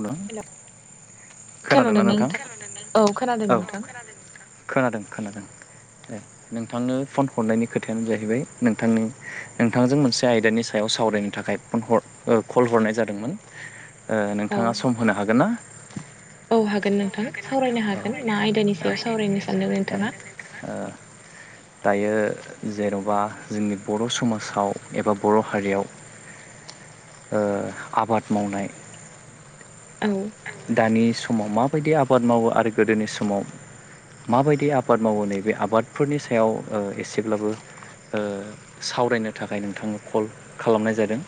गोरान हेल' खोनादोंना नोंथाङा औ खोनादों नोंथां खोनादों खोनादों ए नोंथांनो फन हरनायनि खोथायानो जाहैबाय नोंथांनि नोंथांजों मोनसे आयदानि सायाव सावरायनो थाखाय फन हर कल हरनाय जादोंमोन औ नोंथाङा सम होनो हागोन ना औ हागोन नोंथां सावरायनो हागोन मा आयदानि सायाव सावरायनो सानदों नोंथाङा नोंथाङा? दायो जेन'बा जोंनि बर' समाजाव एबा बर' हारियाव आबाद मावनाय औ दानि समाव माबायदि आबाद मावो आरो गोदोनि समाव माबायदि आबाद मावो नैबे आबादफोरनि सायाव एसेब्लाबो सावरायनो थाखाय नोंथांनो कल खालामनाय जादों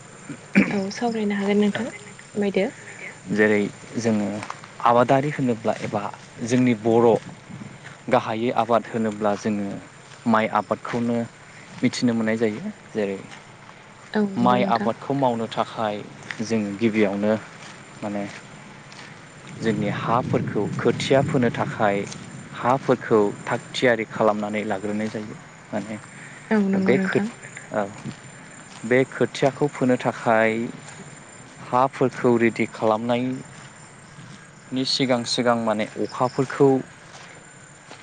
औ सावरायनो हागोन नोंथां फोरमायदो जेरै जोङो आबादारि होनोब्ला एबा जोंनि बर' गाहायै आबाद होनोब्ला जोङो माइ आबादखौनो मिथिनो मोननाय जायो जेरै औ नंगौ माइ नोंथां आबादखौ मावनो थाखाय जों गिबियावनो माने जोंनि हाफोरखौ खोथिया फोनो थाखाय हाफोरखौ थाग थियारि खालामनानै लाग्रोनाय जायो माने औ नंगौ बे खोथ नोंथां ओ बे खोथियाखौ फोनो थाखाय हा फोरखौ रेडि खालामनायनि सिगां सिगां माने अखाफोरखौ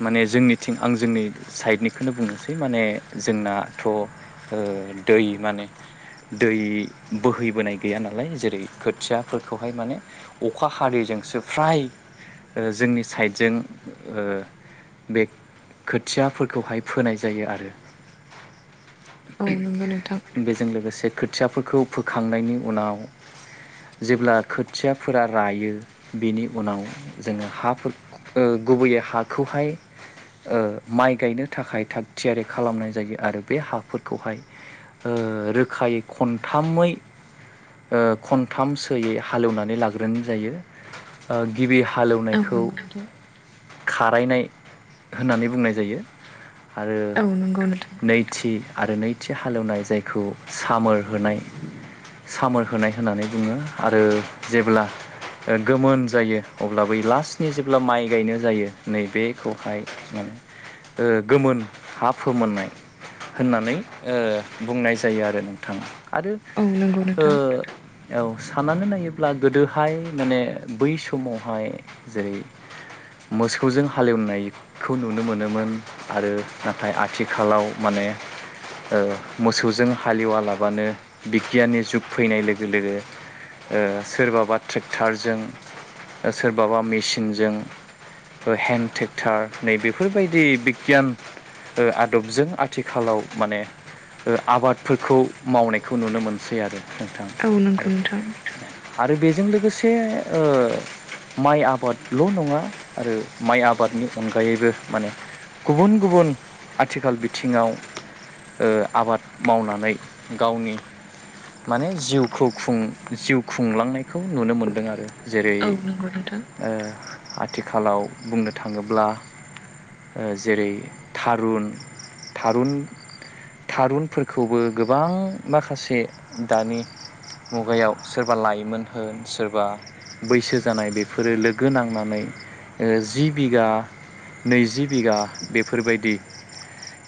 माने जोंनिथिं आं जोंनि साइडनिखौनो बुंनोसै माने जोंनाथ' ओ दै माने दै बोहैबोनाय गैया नालाय जेरै खोथिया फोरखौहाय माने अखा हादैजोंसो फ्राय ओ जोंनि साइडजों ओ बे खोथियाफोरखौहाय फोनाय जायो आरो औ नंगौ नोंथां बेजों लोगोसे खोथियाफोरखौ फोखांनायनि उनाव जेब्ला खोथियाफोरा रायो बेनि उनाव जोङो हाफोर गुबैयै बे हाखौहाय ओं माइ गायनो थाखाय थाग थियारि खालामनाय जायो आरो बे हाफोरखौहाय ओ रोखायै खनथामै खनथामसो यै हालेवनानै लाग्रोनो जायो ओ गिबि औ हालेवनायखौ नंगौ नोंथां खारायनाय होननानै बुंनाय जायो आरो औ नंगौ नोंथां नैथि आरो नैथि हालेवनाय जायखौ सामो होनाय सामो होनाय होननानै बुङो आरो जेब्ला ओ गोमोन जायो अब्ला बै लास्टनि जेब्ला माइ गायनाय जायो नै बेखौहाय माने ओ गोमोन हा फोमोननाय होननानै ओ बुंनाय जायो आरो नोंथां आरो औ नंगौ ओ नोंथां औ साननानै नायोब्ला गोदोहाय माने बै समावहाय जेरै मोसौजों हालेवनायखौ नुनो मोनोमोन आरो नाथाय आथिखालाव मान बे ओ मोसौजों हालेवा लाबानो बिगियाननि जुग फैनाय लोगो लोगो ओ सोरबाबा ट्रेक्टरजों सोरबाबा मेसिनजों हेन्ड ट्रेक्टर नै बेफोर बायदि बिगियान ओ आदबजों आथिखालाव माने ओ आबादफोरखौ मावनायखौ नुनो मोनसै आरो नोंथां औ नंगौ नोंथां आरो बेजों लोगोसे ओ माइ आबादल' नङा आरो माइ आबादनि अनगायैबो माने गुबुन गुबुन आथिखाल बिथिङाव ओ आबाद मावनानै गावनि माने जिउखौ खुं जिउ खुंलांनायखौ नुनो मोनदों आरो जेरै औ नंगौ नोंथां ओ आथिखालाव बुंनो थाङोब्ला ओ जेरै थारुन थारुन थारुनफोरखौबो गोबां माखासे दानि मुगायाव सोरबा लाइमोन होन सोरबा बैसो जानाय बेफोरो लोगो नांनानै ओ जि बिगा नैजि बिगा बेफोर बायदि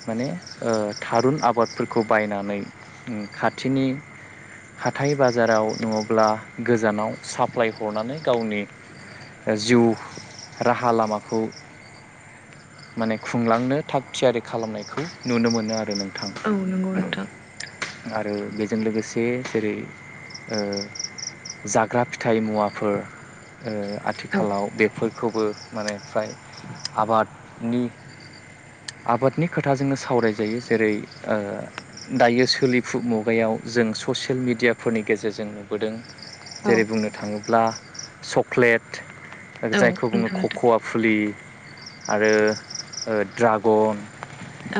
माने ओ थारुन आबादफोरखौ बायनानै खाथिनि हाथाय बाजाराव नङाब्ला गोजानाव साप्लाय हरनानै गावनि जिउ राहा लामाखौ माने खुंलांनो थाग थियारि खालामनायखौ नुनो मोनो आरो नों औ नंगौ नोंथां आरो बेजों लोगोसे जेरै ओ जाग्रा फिथाइ मुवाफोर ओ औ आथिखालाव बे फोरखौबो माने फ्राय आबादनि आबादनि खोथा जोङो सावरायजायो जेरै ओ‌ दायो सोलिफु मुगायाव जों ससियेल मिडियाफोरनि गेजेरजों नुबोदों औ जेरै बुंनो थाङोब्ला चक्लेट जायखौ बुङो नंगौ नोंथां खक'वा फुलि आरो ड्रागन।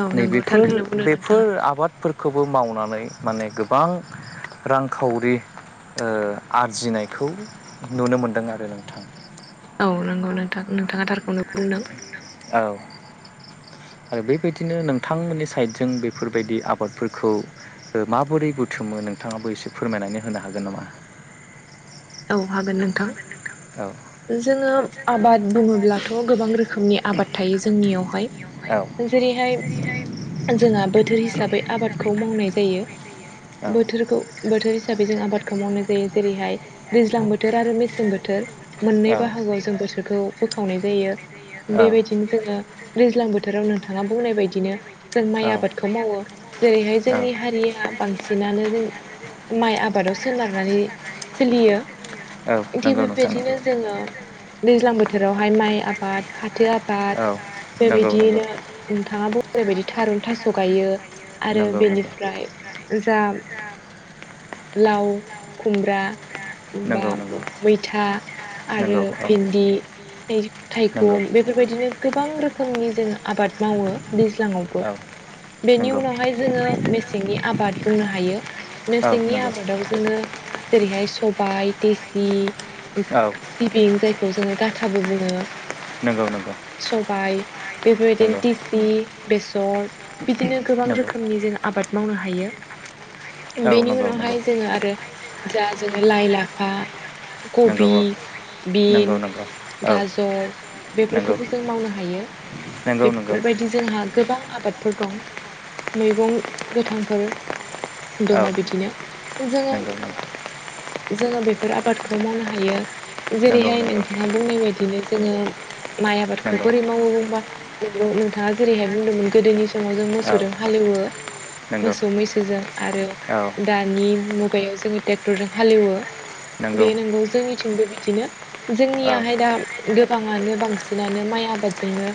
औ नंगौ नैबेफोर थारखौनो बुंदों बेफोर नोंथाङा आबादफोरख खौबो मावनानै माने गोबां रां खावरि आरजिनायखौ नुनो मोनदों आरो नोंथां। बुंनां औ। आरो बेबायदिनो नोंथांमोननि साइदजों बेफोरबायदि आबादफोरखौ माबोरै बुथुमो नोंथाङाबो एसे फोरमायनानै होनो हागोन नामा? औ हागोन नोंथां औ। जोङो आबाद बुङोब्लाथ' गोबां रोखोमनि आबाद थायो जोंनियावहाय। जेरैहाय जोंहा बोथोर हिसाबै आबादखौ मावनाय जायो। औ बोथोर बोथोरखौ बोथोर हिसाबै जों आबादखौ मावनाय जायो जेरैहाय दैज्लां बोथोर आरो मेसें बोथोर मोननै बाहागोआव जों बोथोरखौ बोखावनाय जायो। बेबायदिनो जोङो दैज्लां बोथोराव नोंथाङा बुंनाय बायदिनो जों माइ आबादखौ मावो जेरैहाय जोंनि हारिया बांसिनानो जों माइ आबादाव सोनारनानै सोलियो। दैज्लां थिग बोथोराव नोंथाङा बेबायदिनो जोङो दैज्लां बोथोरावहाय माइ आबाद फाथो आबाद बेबायदियैनो नोंथाङा बोरैबायदि थारुन थास' गायो। आबाद आरो फाथो आबाद जों बिदिनो बेनिफ्राय जा लाव खुमब्रा। बा नंगौ नंगौ मैथा आरो नंगौ औ भिन्दि। नंगौ थाइगं बेफोरबायदिनो गोबां रोखोमनि जोङो आबाद मावो दैज्लाङावबो। औ बेनि नंगौ उनावहाय जोङो मेसेंनि आबाद बुंनो हायो। औ मेसेंनि नंगौ आबादाव जोङो जेरैहाय सब बाय देसि औ सिबिं जायखौ जोङो गाथाबो बुङो। नंगौ नंगौ। सबाय बेफोरबायदिनो टिसि बेसर बिदिनो गोबां नंगौ रोखोमनि जों आबाद मावनो हायो। औ नंगौ बेनि उनावहाय जोङो आरो जा जोङो लाइ लाफा कबि नंगौ औ बिन। नंगौ नंगौ औ गाजर नंगौ नंगौ बेफोरखौबो औ जों मावनो हायो। बेफोरबायदि जोंहा गोबां आबादफोर दं। मैगं गोथांफोर दङ बिदिनो जोङो नंगौ जोङो बेफोर आबादखौ मावनो हायो नंगौ नंगौ जेरैहाय नोंथाङा बुंनाय बायदिनो जोङो माइ आबादखौ नंगौ बोरै मावो बुंबा नोंगौ नोंथाङा जेरैहाय बुंदोंमोन गोदोनि सम समाव जों औ मोसौजों हालेवो नंगौ मोसौ मैसोजों आरो औ दानि मुग मुगायाव जोङो ट्रेक्टरजों हालेवो बे नंगौ जोंनिथिंबो बिदिनो। औ जोंनियाहाय दा गोबाङानो बांसिनानो माइ आबादजोंनो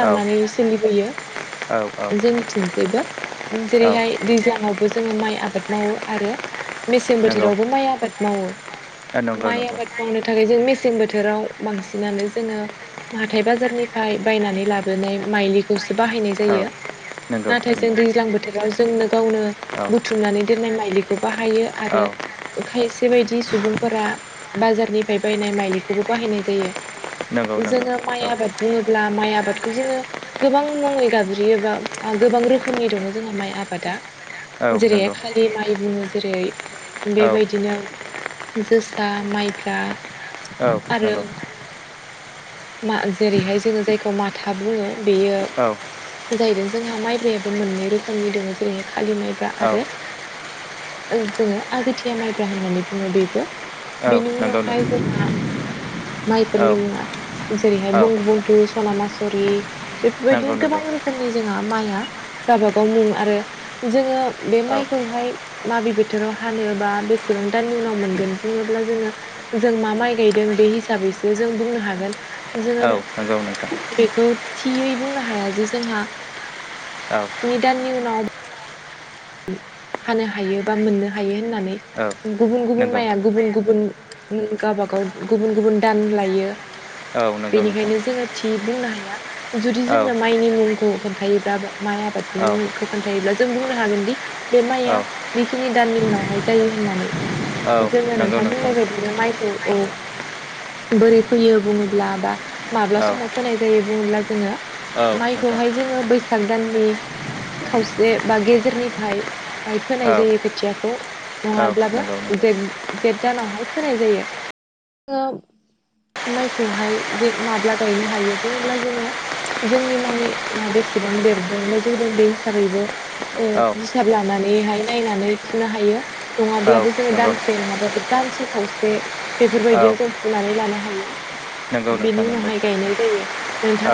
औ सोलिबोयो। औ औ जोंनिथिंजायबो औ जेरैहाय दैज्लां आवबो जों जोङो माइ आबाद मावो आरो मेसें नंगौ बोथोरावबो माइ आबाद मावो। नंगौ माइ नंगौ आबाद मावनो थाखाय जों मेस मेसें बोथोराव बांसिनानो जोङो हाथाइ बाजारनिफ्राय बायनानै लाबोनाय माइलिखौ सो बाहायनाय औ जायो। नंगौ नाथाय जों नंगौ दैज्लां बोथोराव जोंनो गावनो औ बुथुमनानै दोननाय माइलिखौ बाहायो। आरो औ ओखायस बेबायदि सुबुंफोरा बाजारनिफ्राय बायनाय माइलिखौबो बाहायनाय जायो। नंगौ नंगौ जोङो माइ औ आबाद बुङोब्ला माइ आबाद आबादखौ जोङो गोबां मुङै गाबज्रियो बा गोबां रोखोमनि दङ जोंहा माइ आबादा औ जेरै नंगौ खालि माइ बुङो जेरै औ बेबायदिनो जोसा माइब्रा औ आरो नंगौ जेरैहाय जोङो जायखौ माथा बुङो बेयो औ जाय जोंहा माइब्रायाबो मोननै रोखोमनि दङ जेरैहाय खालि माइब्रा औ आरो जोङो आगोथिया माइब्रा होननानै बुङो बेबो औ बेनि नंगौ उनावहाय नंगौ जोंहा औ माइफोरनि मुङा जेरैहाय औ बंगु बन्थु सना मासुरि नंगौ बेफोरबायदिनो गोबां नंगौ रोखोमनि जोंहा माइआ गाबागाव मुं आरो जोङो बे औ माइखौहाय माबिबो बोथोराव हानोबा बेसेबां दाननि उनाव मोनगोन बुङोब्ला जोङो जों मा माइ गायदों बे हिसाबै बिसो जों बुंनो हागोन जोङो औ नंगौ नोंथां बेखौ थियै बुंनो हाया जे जोंहा औ स्नि दाननि उनाव हानो हायो बा मोननो हायो होननानै औ गुबुन गुबुन नंगौ माइया गुबुन गुबुन गावबागाव गुबुन गुबुन दान लायो औ नंगौ नोंथां बेनिखायनो जोङो थि बुंनो हायो जुदि औ जोंनो माइनि मुंखौ खोनथायोबब्ला माइ आबादनि औ मुंखौ खोनथायोब्ला जों बुंनो हागोनदि बे औ माइया बेखिनि दाननि उनावहाय जायो होननानै औ जोङो नंगौ नोंथां बुंनाय बायदिनो माइखौ औ बोरै फैयो बुङोब्ला बा माब्ला औ समाव फोनाय जायो बुङोब्ला जोङो औ नोंथां माइखौहाय जोङो बैसाग दाननि खावसे बा गेजेरनिफ्राय आइ फोनाय औ जायो खोथियाखौ औ नङाब्लाबो नंगौ नंगौ जे जेठ दानावहाय होनाय जायो माइखौहाय जे माब्ला गायनो हायो बुङोब्ला जोङो। जोंनि माइया बेसेबां देरदों बा जौदों बे हिसाबैबो। औ हिसाब लानानैहाय नायनानै फुनो हायो औ नङाब्लाबो जोङो नंगौ दानसे नङाबाबो दानसे। खावसे औ बेफोरबायदियाव जों फुनानै लानो हायो। नंगौ नोंथां बेनि नंगौ उनावहाय गायनाय जायो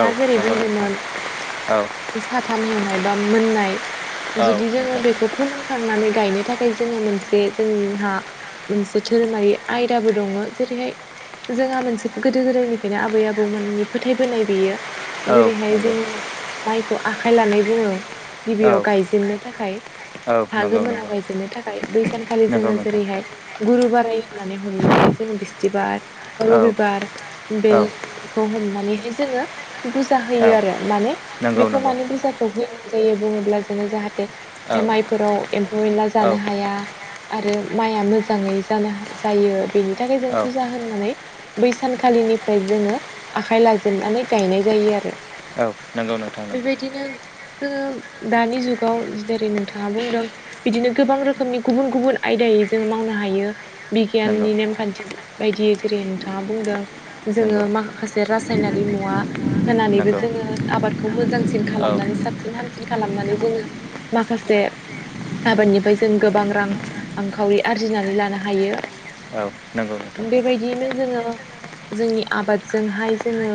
औ जेरै नंगौ नोंथां बुंदोंमोन। औ साथाम हेवनाय बा मोननाय औ जुदि जोङो नोंथां बेखौ फोमोनखांनानै। गायनो थाखाय जोङो मोनसे जोंहा मोनसे धोरोमारि आयदाबो दङ जेरैहाय। जोंहा मोनसे गोदो गोदायनिफ्रायनो आबै आबौ मोननि फोथायबोनाय बेयो। औ जेरैहाय नंगौ जोङो माइखौ आखाइ लानाय बुङो औ गिबियाव गायजे जेननो थाखाय औ हा नंगौ गोमोनाव नंगौ गायजेननो थाखाय बैसानखालि नंगौ जोङो नोंथां जेरैहाय गुरुुबारै। होननानै हमनानै जोङो बिस्थिबार बा औ रबिबार औ बेखौ हमनानै। जोङो बुजा औ होयो आरो माने नंगौ बेखौ नंगौ मान बुजाखौ होनाय जायो बुङोब्ला नो जाहाथे औ माइफोराव एम्फौ एनला औ जानो हाया। आरो माइआ मोजाङै जानो जायो बेनि थाखाय जों औ फुजा होननानै। बै सानखालिनिफ्राय जोङो आखाइ लाजेननानै गायनाय जायो आरो। नंगौ नोंथां नंगौ बेबायदिनो जोङो। दानि जुगाव जेरै नोंथाङा बुंदों बिदिनो गोबां रोखोमनि गुबुन गुबुन आयदायै जोङो मावनो हाय- हायो नंगौ बिगियाननि नेमखान्थि बायदियै जेरै नोंथाङा बुंदों जोङो नंगौ माखासे राज रासायनारि होनानै बो नंगौ जोङो आबखौ मोजांसिन औ खालामनानै साबसिन हामसिन। खालामनानै जोङो माखासे। आबादनिफ्राय जों गोबां रां-खावरि आरजिनानै लानो हायो। औ नंगौ नोंथां नंगौ बेबायदियैनो जोङो जोंनि आबादजोंहाय जोङो।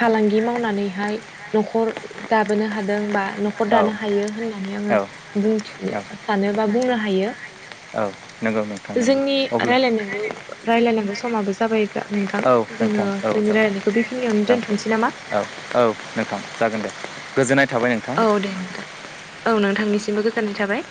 फालांगि मावनानैहाय नखर दाबोनो हादों बा नखर दानो हायो होना नानै औ आङो औ औ बुंथिनो सानो बा बुंनो हायो। औ नंगौ नोंथां नंगौ जोंनि अब्ला रायलायनांगौ रायलायनांगौ समाबो जाबाय नोंथां‌। औ नोंथां जोङो औ जोंनि रायजलायनायखौ बेखिनियावनो औ दोनथनोसै नामा? औ औ नोंथां जागोन दे गोजोननाय थाबाय नोंथां औ दे नोंथां औ नों थां निसिमबो गोजोननाय थाबाय।